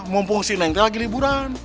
mumpung si nengte lagi liburan